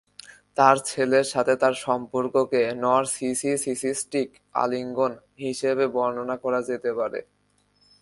তার ছেলের সাথে তার সম্পর্ককে "নরসিসিসিস্টিক আলিঙ্গন" হিসাবে বর্ণনা করা যেতে পারে।